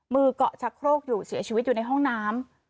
มือเกาะชะโครกอยู่เสียชีวิตอยู่ในห้องน้ำ